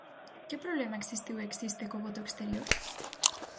Que problema existiu e existe co voto exterior?